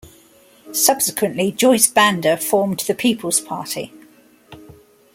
Subsequently Joyce Banda formed the People's Party.